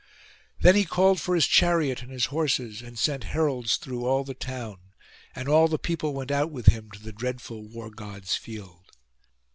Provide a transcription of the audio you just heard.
Then he called for his chariot and his horses, and sent heralds through all the town; and all the people went out with him to the dreadful War god's field.